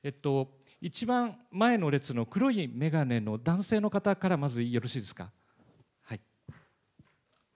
一番前の列の黒い眼鏡の男性の方からまずよろしいですか。